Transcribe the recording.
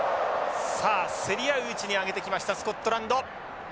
さあ競り合ううちに上げてきましたスコットランド。